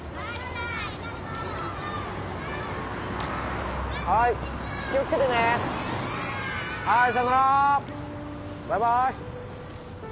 バイバイ。